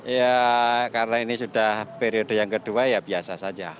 ya karena ini sudah periode yang kedua ya biasa saja